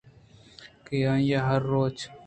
کہ آئیءَہرروچ